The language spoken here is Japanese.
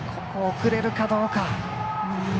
送れるかどうか。